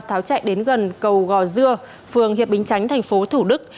tháo chạy đến gần cầu gò dưa phường hiệp bình chánh tp thủ đức